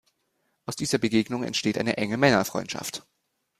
Aus dieser Begegnung entsteht eine enge Männerfreundschaft.